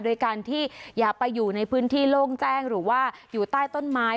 โดยการที่อย่าไปอยู่ในพื้นที่โล่งแจ้งหรือว่าอยู่ใต้ต้นไม้